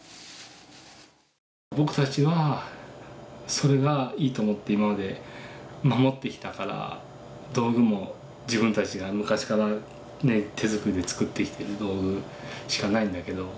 僕たちはそれがいいと思って今まで守ってきたから道具も自分たちが昔からね手作りで作ってきてる道具しかないんだけど。